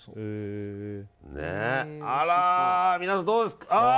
あら、皆さんどうですか？